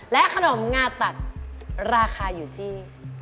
ขนมงาตัดราคาอยู่ที่